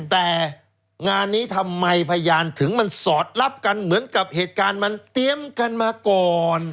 แต่งานนี้ทำไมพยานถึงมันสอดรับกันเหมือนกับเหตุการณ์มันเตรียมกันมาก่อน